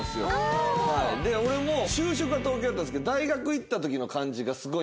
で俺も就職は東京だったんですけど大学行った時の感じがすごい似てて。